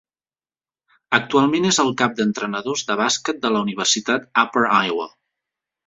Actualment és el cap d'entrenadors de bàsquet de la Universitat Upper Iowa.